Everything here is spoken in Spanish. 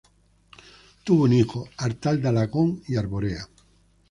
Tuvo un hijo, Artal de Alagón y Arborea.